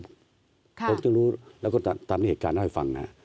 ผมจะรู้แล้วก็ตามเหตุการณ์ให้ฟังนะ